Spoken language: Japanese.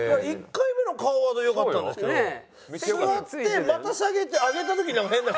１回目の顔は良かったんですけど座ってまた下げて上げた時になんか変な。